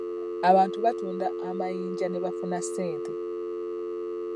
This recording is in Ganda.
Abantu baatunda amayinja ne bafuna ssente.